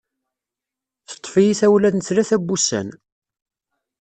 Teṭṭef-iyi tawla n tlata n wussan.